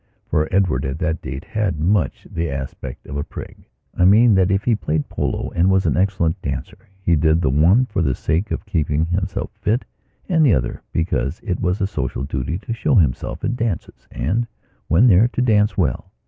For Edward, at that date, had much the aspect of a prig. I mean that, if he played polo and was an excellent dancer he did the one for the sake of keeping himself fit and the other because it was a social duty to show himself at dances, and, when there, to dance well.